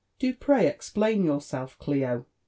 Do pray explain yourself, Clio."